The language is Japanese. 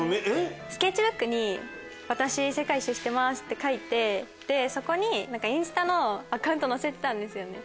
スケッチブックに「世界一周してます」って書いてそこにインスタのアカウント載せてたんですよね。